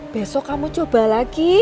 besok kamu bisa mencari pak ali